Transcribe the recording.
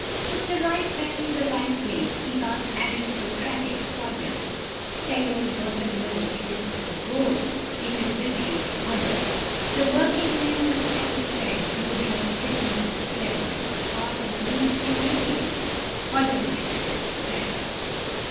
Put the right man in the right place, Keep out the aristocratic sodger Tell old Waterlow it is no go It is victory and Odger; The working men must have a friend, Who against tyranny is clever, With heart and glee, sing liberty, Odger, my lads, for ever.